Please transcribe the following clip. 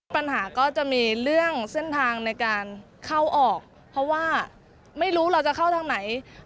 ปัญหาก็จะมีเรื่องเส้นทางในการเข้าออกเพราะว่าไม่รู้เราจะเข้าทางไหน